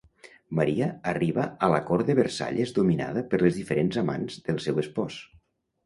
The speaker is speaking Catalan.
Maria arribà a la Cort de Versalles dominada per les diferents amants del seu espòs.